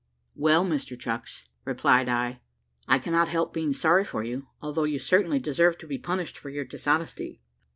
"Well, Mr Chucks," replied I, "I cannot help being sorry for you, although you certainly deserved to be punished for your dishonesty.